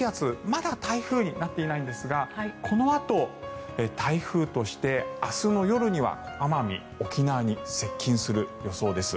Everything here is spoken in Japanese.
まだ台風になっていないんですがこのあと台風として明日の夜には奄美、沖縄に接近する予想です。